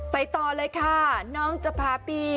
ไปต่อเลยค่ะน้องจะพาปี